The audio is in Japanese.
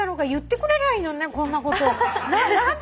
こんなこと。